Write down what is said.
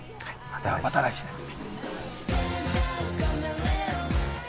また来週です。